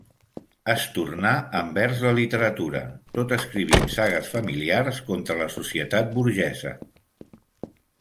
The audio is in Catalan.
Es tornà envers la literatura, tot escrivint sagues familiars contra la societat burgesa.